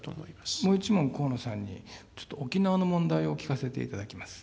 もう１問、河野さんにちょっと、沖縄の問題を聞かせていただきます。